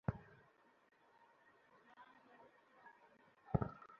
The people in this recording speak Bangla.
সরকারি আদেশ এবং এনওসি অফিসের ওয়েবসাইটে প্রকাশ করা হলে জালিয়াতি বন্ধ হবে।